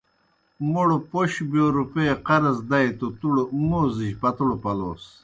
موْڑ پوْش بِیو روپیئے قرض دائے توْ تُوڑ موزِجیْ پتوڑ پلوس۔